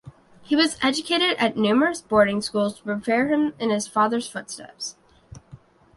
He was educated at numerous boarding schools to prepare him in his father's footsteps.